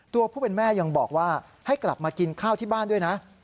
ผู้เป็นแม่ยังบอกว่าให้กลับมากินข้าวที่บ้านด้วยนะ